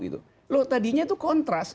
tadinya itu kontras